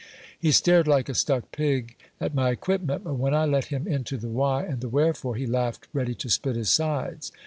He stared like a stuck pig at my equipment ! But when I let him into the why and the wherefore, he laughed ready to split his sides.